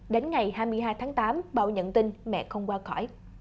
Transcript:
đến ngày hai mươi hai tháng tám bảo nhận tin mẹ không qua khỏi